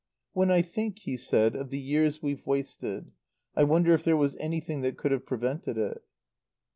"When I think," he said, "of the years we've wasted. I wonder if there was anything that could have prevented it."